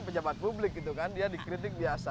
pejabat publik gitu kan dia dikritik biasa